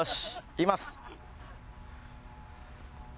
いきます。